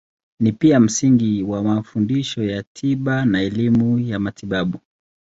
Ni pia msingi wa mafundisho ya tiba na elimu ya matibabu.